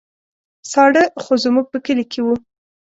ساړه خو زموږ په کلي کې وو.